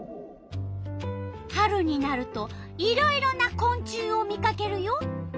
春になるといろいろなこん虫を見かけるよ。